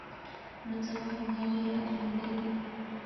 نن سبا هم د هغه ياد ژوندی دی.